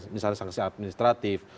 misalnya ada sanksi administratif